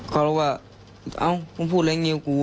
เขาเรียกว่าเอ้าพ่อพูดอะไรอย่างนี้กับกู